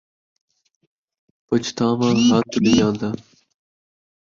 پچھانواں ہتھ نئیں آندا